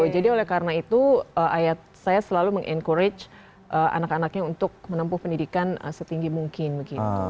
jadi oleh karena itu ayah saya selalu mengencourage anak anaknya untuk menempuh pendidikan setinggi mungkin begitu